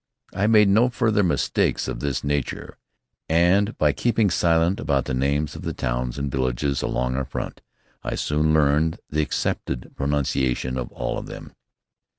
I made no further mistakes of this nature, and by keeping silent about the names of the towns and villages along our front, I soon learned the accepted pronunciation of all of them.